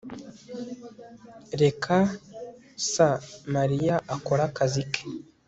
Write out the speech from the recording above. reka s mariya akore akazi ke